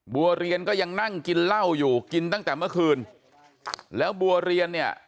บัวเรียนก็ยังนั่งกินเหล้าอยู่กินตั้งแต่เมื่อคืนแล้วบัวเรียนเนี่ย